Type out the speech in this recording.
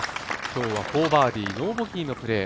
今日は４バーディー、ノーボギーのプレー。